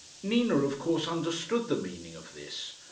Nina of course understood the meaning of this.